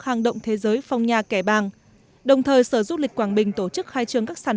hàng động thế giới phong nhà kẻ bàng đồng thời sở du lịch quảng bình tổ chức khai trương các sản